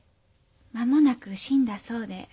間もなく死んだそうで。